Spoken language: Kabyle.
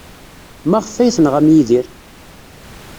Maɣef ay tenɣam Yidir?